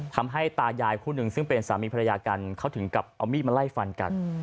ตายายคู่หนึ่งซึ่งเป็นสามีภรรยากันเขาถึงกับเอามีดมาไล่ฟันกัน